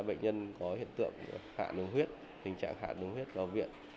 bệnh nhân có hiện tượng hạ đường huyết tình trạng hạ đường huyết vào viện